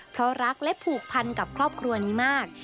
เพราะรักและผูกพันกับครอบครัวนี้มาก